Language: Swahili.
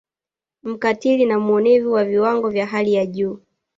Mkatili na muonevu wa viwango vya hali ya juu